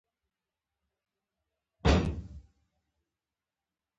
دی زما ورور دئ.